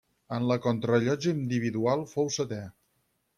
En la contrarellotge individual fou setè.